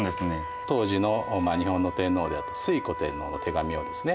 当時の日本の天皇であった推古天皇の手紙をですね